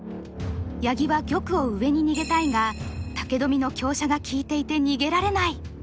八木は玉を上に逃げたいが武富の香車が利いていて逃げられない。